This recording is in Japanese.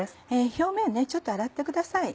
表面をちょっと洗ってください。